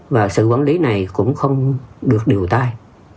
và sự quản lý này cũng không được điều tay